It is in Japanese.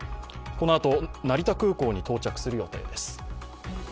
このあと成田空港に到着する予定です。